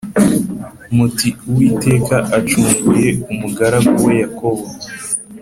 muti Uwiteka acunguye umugaragu we Yakobo